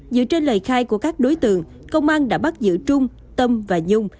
dựa trên lời khai của các đối tượng công an đã bắt giữ trung tâm và dung